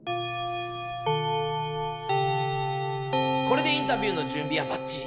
これでインタビューの準備はばっちり！